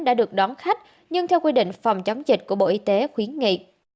đã được đón khách nhưng theo quy định phòng chống dịch của bộ y tế khuyến nghị